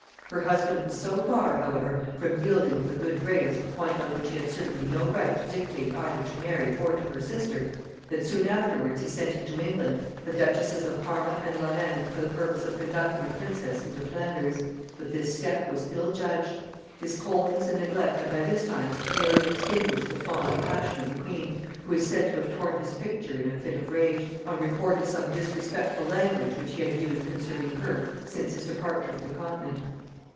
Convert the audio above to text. Her husband was so far, however, from yielding with a good grace a point on which he had certainly no right to dictate either to Mary or to her sister, that soon afterwards he sent into England the duchesses of Parma and Lorrain for the purpose of conducting the princess into Flanders: but this step was ill judged. His coldness and neglect had by this time nearly extinguished the fond passion of the queen, who is said to have torn his picture in a fit of rage, on report of some disrespectful language which he had used concerning her since his departure for the continent.